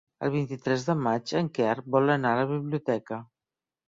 El vint-i-tres de maig en Quer vol anar a la biblioteca.